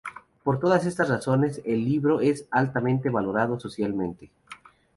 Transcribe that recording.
Por todas estas razones, el libro es altamente valorado socialmente.